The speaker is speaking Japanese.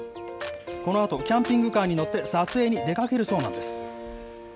このあと、キャンピングカーに乗って撮影に出かけるそうなんです。